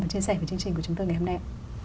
và chia sẻ với chương trình của chúng tôi ngày hôm nay